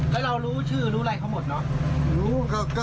อ๋อเป็นคนแล้วเรารู้ชื่อรู้อะไรเขาหมดเนอะ